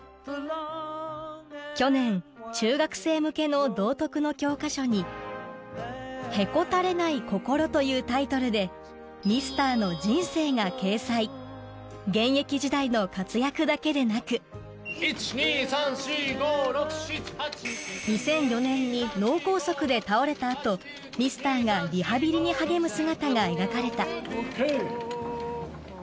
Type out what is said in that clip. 去年中学生向けの道徳の教科書に「へこたれない心」というタイトルでミスターの人生が掲載現役時代の活躍だけなく・１・２・３・４・５・６・２００４年に脳梗塞で倒れた後ミスターがリハビリに励む姿が描かれたＯＫ！